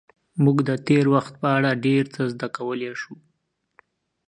موږ د تېر وخت په اړه ډېر څه زده کولی شو.